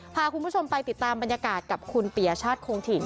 พาคุณผู้ชมไปติดตามบรรยากาศกับคุณปียชาติคงถิ่น